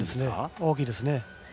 大きいですね。